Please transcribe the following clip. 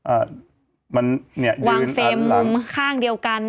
อ่ามันเนี่ยวางเฟรมมุมข้างเดียวกัน